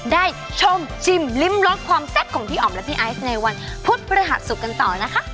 ได้ชมชิมลิ้มรสความแซ่บของพี่อ๋อมและพี่ไอซ์ในวันพุธพฤหัสศุกร์กันต่อนะคะ